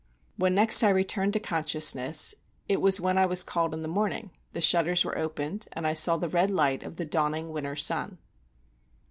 When next I returned to consciousness, it was when I was called in the morning; the shutters were opened, and I saw the red light of the dawning winter sun.